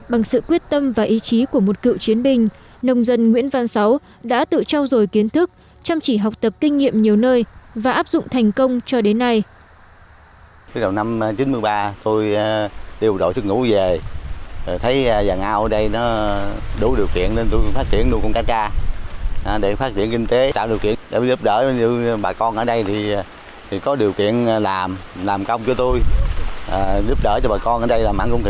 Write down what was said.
bằng sự quyết tâm và ý chí của một cựu chiến binh nông dân nguyễn văn sáu đã tự trao dồi kiến thức chăm chỉ học tập kinh nghiệm nhiều nơi và áp dụng thành công cho đến nay